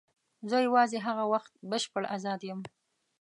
زه یوازې هغه وخت بشپړ آزاد یم.